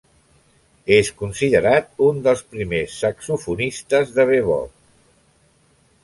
És considerat un dels primers saxofonistes de bebop.